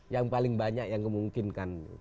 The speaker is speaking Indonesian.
yang paling banyak yang memungkinkan